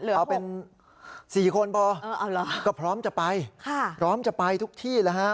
เอาเป็น๔คนพอก็พร้อมจะไปพร้อมจะไปทุกที่แล้วฮะ